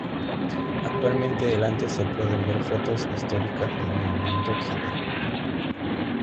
Actualmente, delante se pueden ver fotos históricas del monumento original.